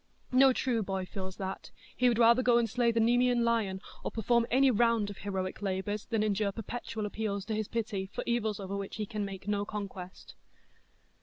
No true boy feels that; he would rather go and slay the Nemean lion, or perform any round of heroic labours, than endure perpetual appeals to his pity, for evils over which he can make no conquest.